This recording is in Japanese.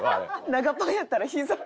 長パンやったらひざ。